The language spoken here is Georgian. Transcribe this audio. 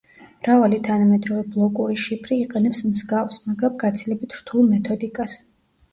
მრავალი თანამედროვე ბლოკური შიფრი იყენებს მსგავს, მაგრამ გაცილებით რთულ მეთოდიკას.